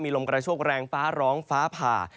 ลมกระโชคแรงฟ้าร้องฟ้าผ่า